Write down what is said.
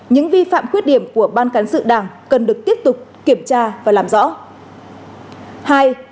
những vi phạm khuyết điểm của ban cán sự đảng cần được tiếp tục kiểm tra và đảm bảo